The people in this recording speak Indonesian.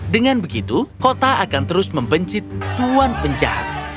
dengan begitu kota akan terus membenci tuan penjahat